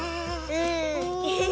うん。